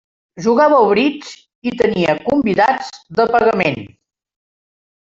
Jugava al bridge i tenia convidats de pagament.